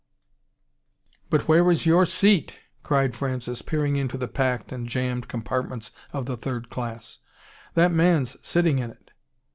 "But where is YOUR SEAT?" cried Francis, peering into the packed and jammed compartments of the third class. "That man's sitting in it."